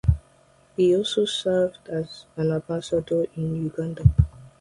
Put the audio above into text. He also served as Ambassador to Uganda.